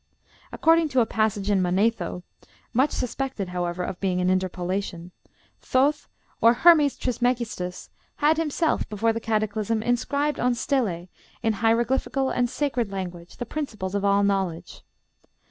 According to a passage in Manetho, much suspected, however, of being an interpolation, Thoth, or Hermes Trismegistus, had himself, before the cataclysm, inscribed on stelæ, in hieroglyphical and sacred language, the principles of all knowledge.